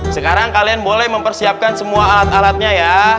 sekarang kalian boleh mempersiapkan semua alat alatnya ya